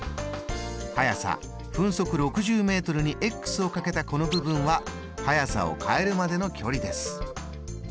速さ分速６０ｍにかけたこの部分は速さを変えるまでの距離です。